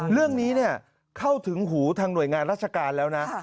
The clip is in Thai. เรื่องนี้เข้าถึงหูทางหน่วยงานราชการแล้วนะ